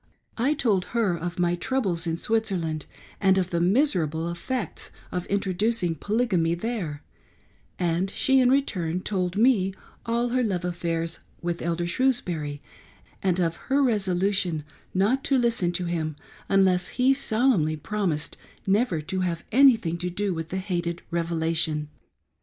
I told her of my troubles in Switzerland and of the miserable effects of introducing Polygamy there ; and she in return told me all her love affairs with Elder Shrews bury and of her resolution not to listen to him unless he sol emnly promised never to have anything to do with the hated Revelation.